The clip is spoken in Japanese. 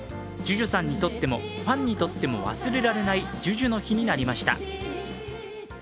ＪＵＪＵさんにとってもファンにとっても忘れられないＪＵＪＵの日になりました。